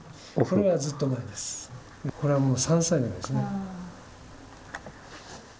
これはもう３歳のですね。